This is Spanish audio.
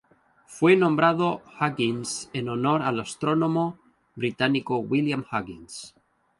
Fue nombrado Huggins en honor al astrónomo británico William Huggins.